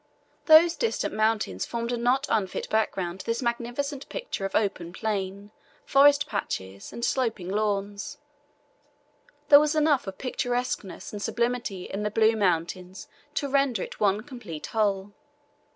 Those distant mountains formed a not unfit background to this magnificent picture of open plain, forest patches, and sloping lawns there was enough of picturesqueness and sublimity in the blue mountains to render it one complete whole.